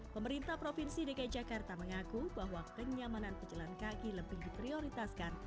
pemerintah provinsi dki jakarta mengaku bahwa kenyamanan pejalan kaki lebih diprioritaskan